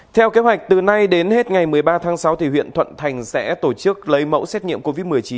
theo kế hoạch từ nay đến hết ngày một mươi ba tháng sáu huyện thuận thành sẽ tổ chức lấy mẫu xét nghiệm covid một mươi chín